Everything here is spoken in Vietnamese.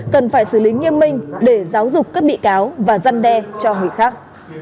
cần phải xử lý nghiêm minh để giáo dục các bị cáo và răn đe cho người khác